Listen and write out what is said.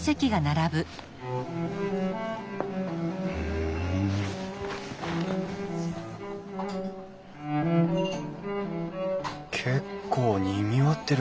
ふん結構にぎわってる。